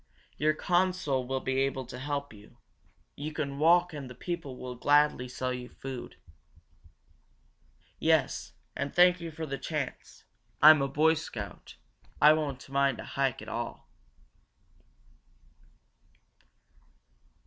Your consul will be able to help you. You can walk and the people will gladly sell you food." "Yes, and thank you for the chance, I'm a Boy Scout; I won't mind a hike at all."